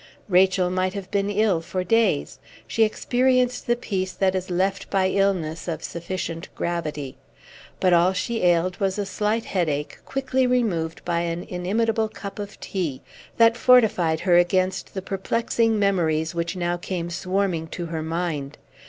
Rachel might have been ill for days. She experienced the peace that is left by illness of sufficient gravity. But all she ailed was a slight headache, quickly removed by an inimitable cup of tea, that fortified her against the perplexing memories which now came swarming to her mind.